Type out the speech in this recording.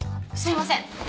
すいません。